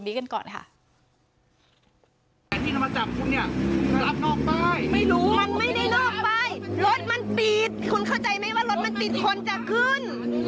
นี้กันก่อนอะค่ะแน่ใจที่จะมาจับคุณเนี้ย